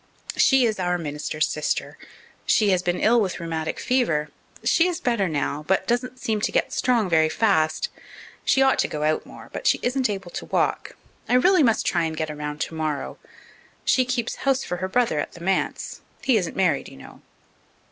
"She is our minister's sister. She has been ill with rheumatic fever. She is better now, but doesn't seem to get strong very fast. She ought to go out more, but she isn't able to walk. I really must try and get around tomorrow. She keeps house for her brother at the manse. He isn't married, you know."